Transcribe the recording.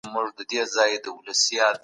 آیا اورېدل د کلتور په پوهېدلو کې مرسته کوي؟